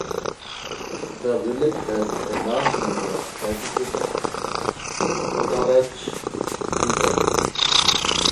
The village has a large number of educated Touareg people.